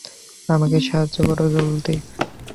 আমাকে সাহায্য করো, জলদি!